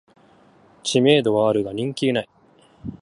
知名度はあるが人気ない